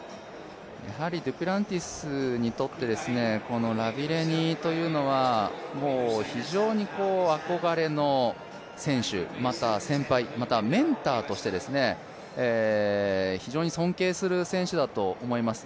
デュプランティスにとってラビレニというのは非常に憧れの選手、または先輩、またメンターとして非常に尊敬する選手だと思います。